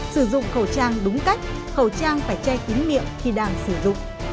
sử dụng khẩu trang đúng cách khẩu trang phải che kín miệng khi đang sử dụng